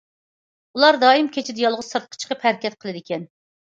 ئۇلار دائىم كېچىدە يالغۇز سىرتقا چىقىپ ھەرىكەت قىلىدىكەن.